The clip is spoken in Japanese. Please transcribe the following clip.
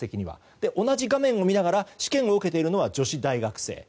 同じ画面を見ながら試験を受けているのは女子大学生。